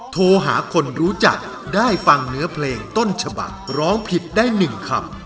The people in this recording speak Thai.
โทรหาคนรู้จักได้ฟังเนื้อเพลงต้นฉบักร้องผิดได้๑คำ